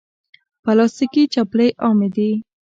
پلاستيکي چپلی عامې دي.